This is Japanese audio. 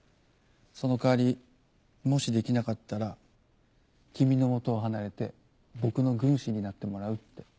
その代わりもしできなかったら君の元を離れて僕の軍師になってもらうって。